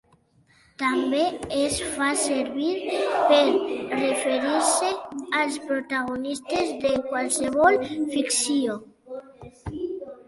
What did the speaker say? També es fa servir per referir-se als protagonistes de qualsevol ficció.